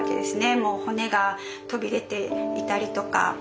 もう骨が飛び出ていたりとか。